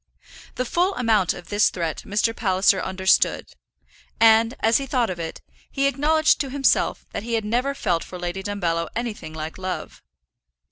The full amount of this threat Mr. Palliser understood, and, as he thought of it, he acknowledged to himself that he had never felt for Lady Dumbello anything like love.